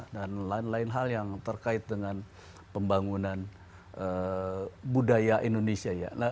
dan lain lain hal yang terkait dengan pembangunan budaya indonesia